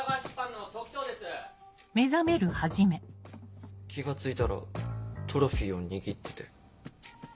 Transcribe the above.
ノック気が付いたらトロフィーを握ってて。